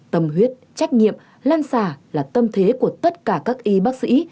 tâm huyết trách nhiệm lan xả là tâm thế của tất cả các y bác sĩ